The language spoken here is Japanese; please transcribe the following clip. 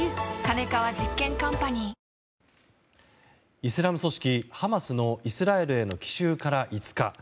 イスラム組織ハマスのイスラエルへの奇襲から５日。